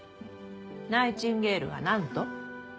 ナイチンゲールがなんと？